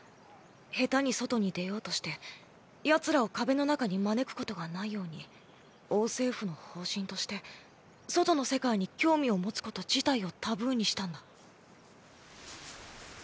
下手に外に出ようとしてヤツらを壁の中に招くことがないように王政府の方針として外の世界に興味を持つこと自体をタブーにしたんだ。